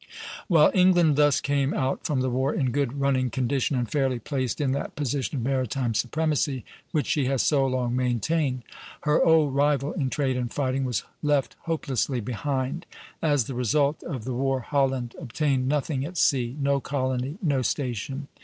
While England thus came out from the war in good running condition, and fairly placed in that position of maritime supremacy which she has so long maintained, her old rival in trade and fighting was left hopelessly behind. As the result of the war Holland obtained nothing at sea, no colony, no station.